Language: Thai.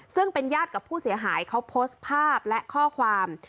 ซึ่งเป็นญาติกับผู้เสียหายเขาโพสต์ภาพและข้อความ